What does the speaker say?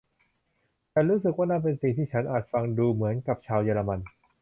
ฉันรู้สึกว่านั่นเป็นสิ่งที่ฉันอาจฟังดูเหมือนกับชาวเยอรมัน